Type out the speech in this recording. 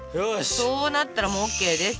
そうなったらもうＯＫです。